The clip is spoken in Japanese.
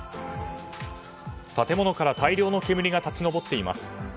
建物から大量の煙が立ち上っています。